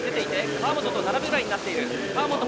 川本と並ぶぐらいになっている。